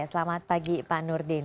selamat pagi pak nurdin